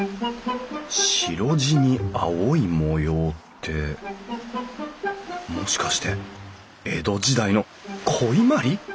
白地に青い模様ってもしかして江戸時代の古伊万里？